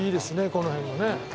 この辺もね。